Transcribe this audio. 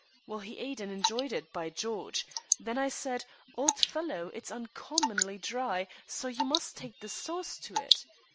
Well, he ate and enjoyed it, by George. Then I said, 'Old fellow, it's uncommonly dry, so you must take the sauce to it.'